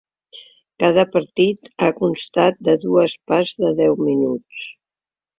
Cada partit ha constat de dues parts de deu minuts.